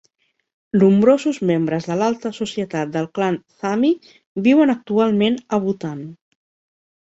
Nombrosos membres de l'alta societat del clan Thami viuen actualment a Bhutan.